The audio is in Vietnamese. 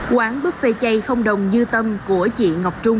quán buffet chay không đồng dư tâm của chị ngọc trung